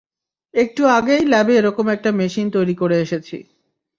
একটু আগেই ল্যাবে এরকম একটা মেশিন তৈরি করে এসেছি।